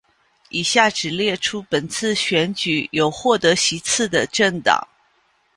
以下只列出本次选举有获得席次的政党